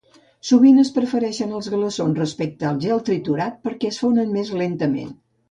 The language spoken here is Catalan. Sovint es prefereixen els glaçons respecte al gel triturat perquè es fonen més lentament.